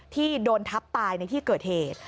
ที่โดนทับตายในที่เกิดเหตุ